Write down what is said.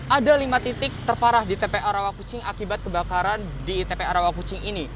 ada lima titik terparah di tpa rawakucing akibat kebakaran di tpa rawakucing ini